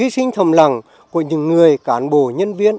để cản bộ nhân viên